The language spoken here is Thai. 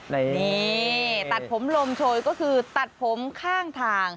นี่ตัดผมลมโชยก็คือตัดผมข้างทาง